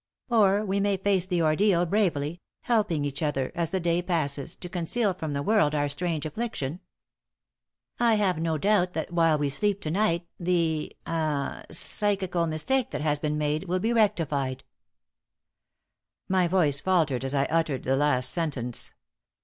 Or we may face the ordeal bravely, helping each other, as the day passes, to conceal from the world our strange affliction. I have no doubt that while we sleep to night the ah psychical mistake that has been made will be rectified." My voice faltered as I uttered the last sentence.